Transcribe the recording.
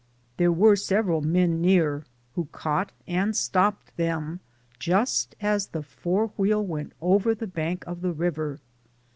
There were sev eral men near who caught and stopped them just as the forewheel went over the bank of the river.